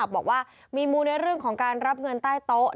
บอกว่ามีมูลในเรื่องของการรับเงินใต้โต๊ะ